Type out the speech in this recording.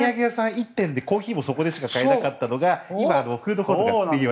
１店でコーヒーもそこでしか買えなかったのが今、フードコートが。